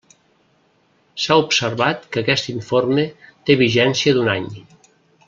S'ha observat que aquest informe té vigència d'un any.